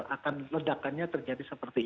akan ledakannya terjadi seperti